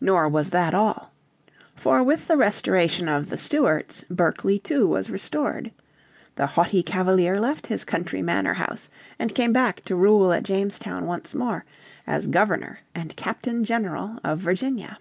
Nor was that all. For with the Restoration of the Stuarts Berkeley too was restored. The haughty Cavalier left his country manor house and came back to rule at Jamestown once more, as Governor and Captain General of Virginia.